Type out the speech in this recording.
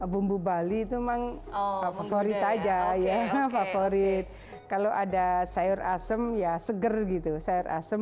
bumbu bali itu memang favorit aja ya favorit kalau ada sayur asem ya seger gitu sayur asem